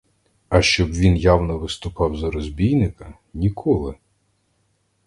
А щоб він явно виступав за розбійника — ніколи!